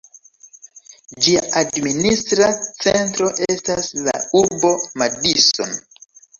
Ĝia administra centro estas la urbo Madison.